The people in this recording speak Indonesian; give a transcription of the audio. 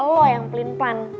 lo yang pelin pelan